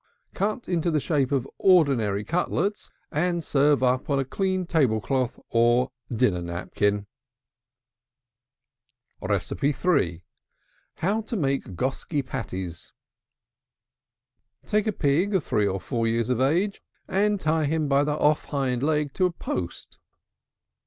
Cut it into the shape of ordinary cutlets, and serve up in a clean table cloth or dinner napkin. TO MAKE GOSKY PATTIES. Take a pig three or four years of age, and tie him by the off hind leg to a post.